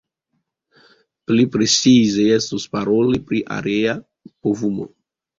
Pli precize estus paroli pri area povumo.